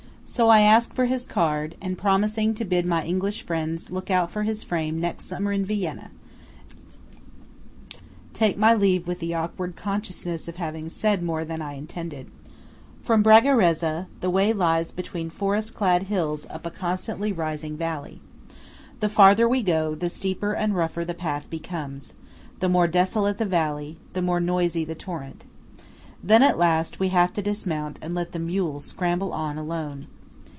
So I ask for his card, and, promising to bid my English friends look out for his frame next summer in Vienna, take my leave with the awkward consciousness of having said more than I intended. From Bragarezza, the way lies between forest clad hills up a constantly rising valley. The farther we go, the steeper and rougher the path becomes; the more desolate the valley; the more noisy the torrent. Then at last we have to dismount and let the mules scramble on alone.